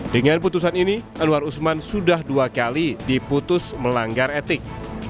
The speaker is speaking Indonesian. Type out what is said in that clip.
dengan putusan ini anwar usman sudah dua kali diputus melanggar etik